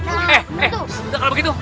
eh eh kalau begitu